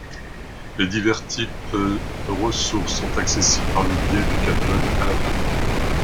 Les divers types de ressources sont accessibles par le biais du catalogue Aladin.